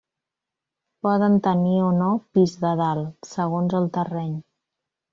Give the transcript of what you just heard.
Poden tenir o no pis de dalt, segons el terreny.